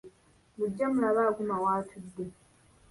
Mujje mulabe Aguma w'atudde.